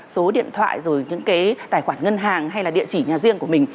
số điện thoại rồi những cái tài khoản ngân hàng hay là địa chỉ nhà riêng của mình